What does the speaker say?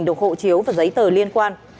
được hộ chiếu và giấy tờ liên quan